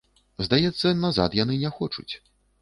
Здаецца, назад яны не хочуць.